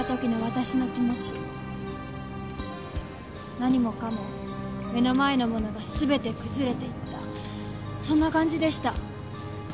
何もかも目の前のものが全て崩れていったそんな感じでした。